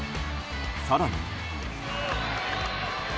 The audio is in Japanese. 更に。